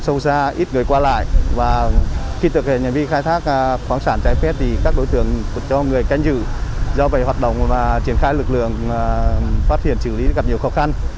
phát hiện xử lý gặp nhiều khó khăn